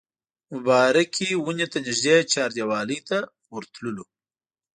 مبارکې ونې ته نږدې چاردیوالۍ ته ورتللو.